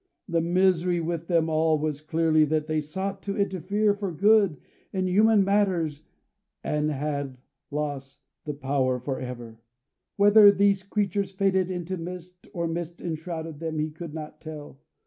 The misery with them all was, clearly, that they sought to interfere, for good, in human matters and had lost the power for ever. Whether these creatures faded into mist, or mist enshrouded them, he could not tell.